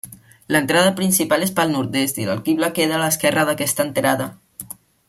L'entrada principal és pel nord-est i l'alquibla queda a l'esquerra d'aquesta entrada.